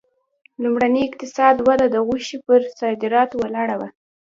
لومړنۍ اقتصادي وده د غوښې پر صادراتو ولاړه وه.